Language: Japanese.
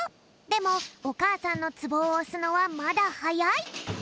でもおかあさんのツボをおすのはまだはやい。